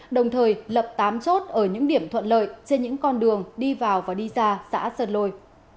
đồng thời lập tám chốt ở những điểm thuận lợi trên những con đường đi vào và đi ra xã sơn lôi